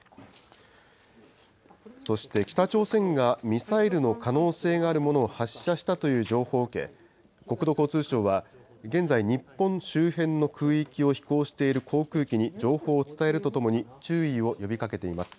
そして北朝鮮がミサイルの可能性があるものを発射したという情報を受け、国土交通省は現在、日本周辺の空域を飛行している航空機に情報を伝えるとともに、注意を呼びかけています。